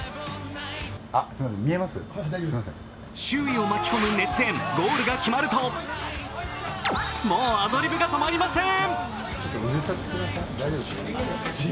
周囲を舞い込む熱演、ゴールが決まるともうアドリブが止まりません。